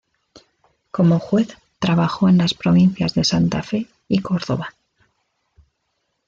Como juez trabajó en las provincias de Santa Fe y Córdoba.